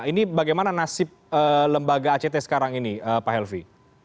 ini bagaimana nasib lembaga act sekarang ini pak helvi